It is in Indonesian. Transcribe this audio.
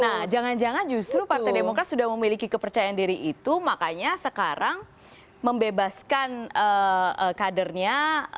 nah jangan jangan justru partai demokrat sudah memiliki kepercayaan diri itu makanya sekarang membebaskan kadernya